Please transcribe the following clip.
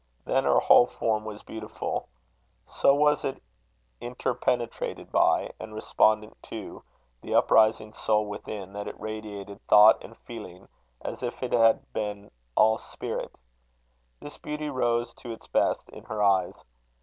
Then her whole form was beautiful. So was it interpenetrated by, and respondent to, the uprising soul within, that it radiated thought and feeling as if it had been all spirit. This beauty rose to its best in her eyes.